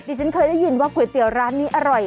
ฉันเคยได้ยินว่าก๋วยเตี๋ยวร้านนี้อร่อย